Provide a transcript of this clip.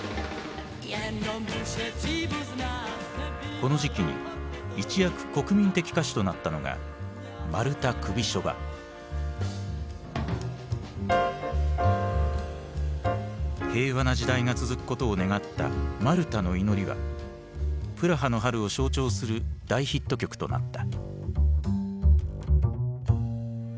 この時期に一躍国民的歌手となったのが平和な時代が続くことを願った「マルタの祈り」はプラハの春を象徴する大ヒット曲となった。